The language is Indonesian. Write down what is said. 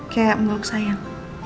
kayak meluk sayang